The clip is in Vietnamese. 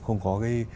không có cái